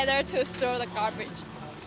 bersama sama untuk membuang sampah